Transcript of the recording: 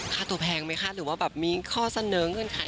ค่าตัวแพงมั้ยคะหรือว่ามีข้อเสนอเงินไหม